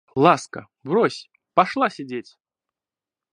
Ласка, брось, пошла сидеть!